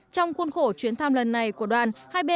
trong khuôn khổ chuyến thăm lần này của đoàn